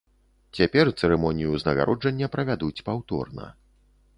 Цяпер цырымонію ўзнагароджання правядуць паўторна.